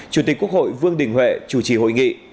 chủ tịch quốc hội vương đình huệ chủ trì hội nghị